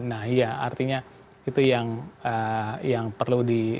nah iya artinya itu yang perlu di